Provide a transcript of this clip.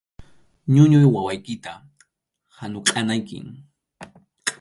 Ñuñuq wawaykita hanukʼanaykim.